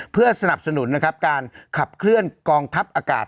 เพื่อสนับสนุนนะครับการขับเคลื่อนกองทัพอากาศ